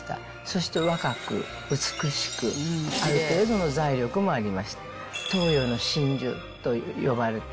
そして若く美しくある程度の財力もありました